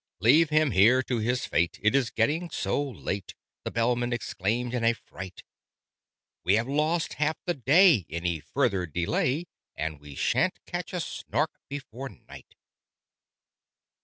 "Leave him here to his fate it is getting so late!" The Bellman exclaimed in a fright. "We have lost half the day. Any further delay, And we sha'n't catch a Snark before night!"